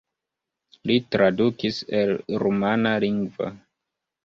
Li tradukis el rumana lingvo.